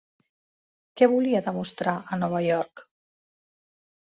Què volia demostrar a Nova York?